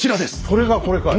それがこれかい。